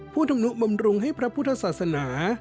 ผู้ทำหนุบำรุงให้พระพุทธศาสนา